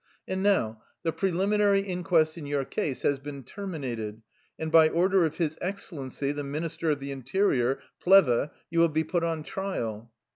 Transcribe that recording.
" And now, the preliminary in quest in your case has been terminated, and by order of his Excellency, the Minister of the In terior, Plehve, you will be put on trial."